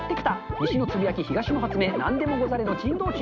西のつぶやき、東の発明、なんでもござれの珍道中。